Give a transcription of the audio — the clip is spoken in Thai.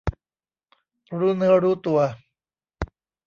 รู้เนื้อรู้ตัว